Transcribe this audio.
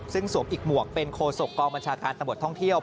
ซึ่งสวมอีกหมวกเป็นโคศกกองบัญชาการตำรวจท่องเที่ยว